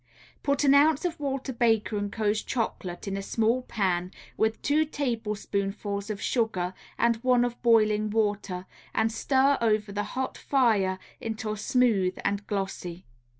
Put an ounce of Walter Baker & Co.'s Chocolate in a small pan with two tablespoonfuls of sugar and one of boiling water, and stir over the hot fire until smooth and glossy.